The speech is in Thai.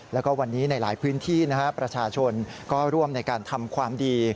แล้วก็วันนี้ในหลายพื้นที่ประชาชนก็ร่วมในการทำความดี